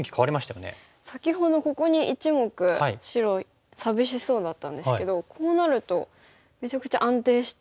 先ほどここに１目白寂しそうだったんですけどこうなるとめちゃくちゃ安定して。